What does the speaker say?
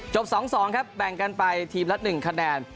๒๒ครับแบ่งกันไปทีมละ๑คะแนน